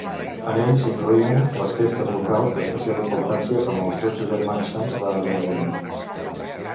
En ell s'incloïen les festes locals d'especial importància, com els Dotze Germans Sants de Benevent.